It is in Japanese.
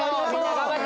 頑張って。